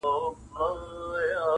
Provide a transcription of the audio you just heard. کشر ځان ته په چورتونو کي پاچا وو -